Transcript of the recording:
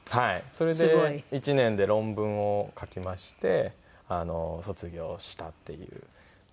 それで１年で論文を書きまして卒業したっていうのが。